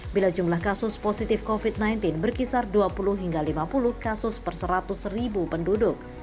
bila jumlah kasus positif covid sembilan belas berkisar dua puluh hingga lima puluh kasus per seratus ribu penduduk